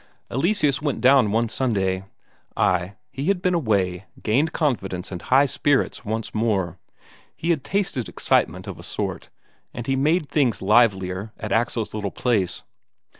Eleseus went down one Sunday. Ay, he had been away, gained confidence and high spirits once more; he had tasted excitement of a sort, and he made things livelier at Axel's little place.